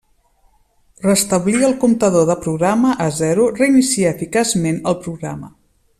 Restablir el comptador de programa a zero reinicia eficaçment el programa.